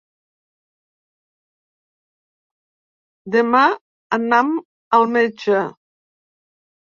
Demà anam al metge.